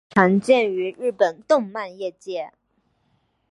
常见于日本动漫业界。